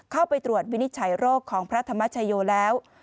เข้าไปตรวจวินิจฉัยโรคของพระธรรมชโยแล้ว